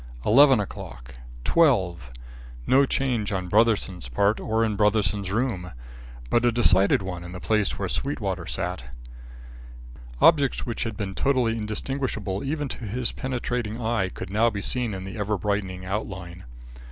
Eleven o'clock! Twelve! No change on Brotherson's part or in Brotherson's room; but a decided one in the place where Sweetwater sat. Objects which had been totally indistinguishable even to his penetrating eye could now be seen in ever brightening outline.